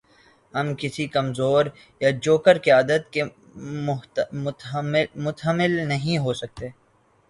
ہم کسی کمزور یا جوکر قیادت کے متحمل نہیں ہو سکتے۔